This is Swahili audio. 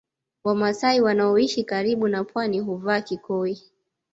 Wamasai wanaoishi karibu na pwani huvaa kikoi